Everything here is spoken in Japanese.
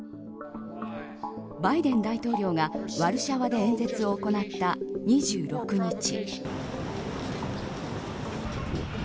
バイデン大統領がワルシャワで演説を行った２６日。